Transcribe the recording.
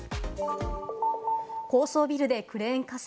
高層ビルでクレーン火災！